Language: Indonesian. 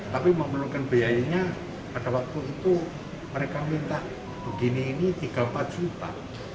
tapi memerlukan biayanya pada waktu itu mereka minta begini ini tiga empat juta